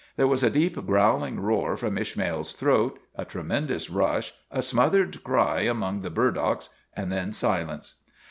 There was a deep, growling roar from Ishmael's throat, a tremendous rush, a smothered cry among the bur docks, and then silence.